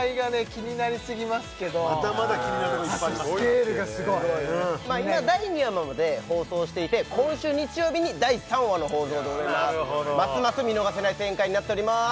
気になりすぎますけどまだまだ気になるとこいっぱいありますからあとスケールがすごい今第２話まで放送していて今週日曜日に第３話の放送でございますますます見逃せない展開になっております